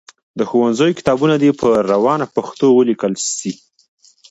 د ښوونځیو کتابونه دي په روانه پښتو ولیکل سي.